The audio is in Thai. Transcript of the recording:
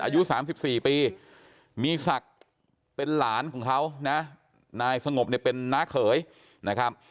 อายุ๓๔ปีมีฉากเป็นหลานของเขานะไนสงบเป็นน้าเขยนะครับ